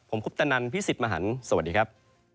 ผมคุปตะนันพี่สิทธิ์มหันฯสวัสดีครับ